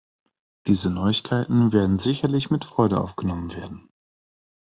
Diese Neuigkeiten werden sicherlich mit Freude aufgenommen werden.